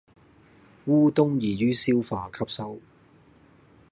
烏冬易於消化吸收